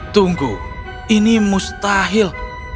tunggu ini mustahil